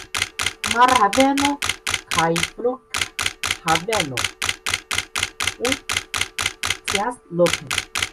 Marhaveno kaj flughaveno funkcias loke.